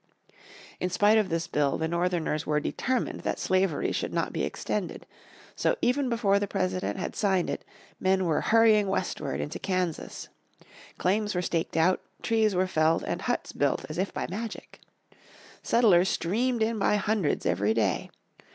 In spite of this bill the Northerners were determined that slavery should not be extended. So even before the President had signed it men were hurring westward into Kansas. Claims were staked out, trees were felled, and huts built as if by magic. Settlers streamed in by hundreds every day.